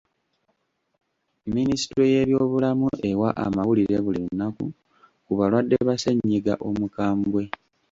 Minisitule y'ebyobulamu ewa amawulire buli lunaku ku balwadde ba ssennyiga omukambwe.